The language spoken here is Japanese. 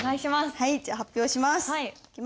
はいじゃあ発表します。